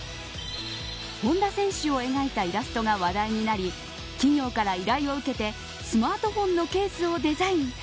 本田選手を描いたイラストが話題になり企業から依頼を受けてスマートフォンのケースをデザイン。